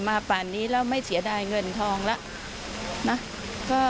มาผ่านนี้แล้วไม่เสียได้เงินทองแล้ว